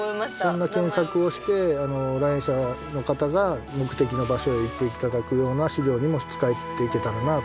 そんな検索をして来園者の方が目的の場所へ行って頂くような資料にも使っていけたらなと思っています。